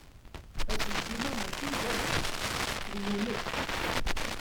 Aselkim-a maci n Kamal. Inu nekk.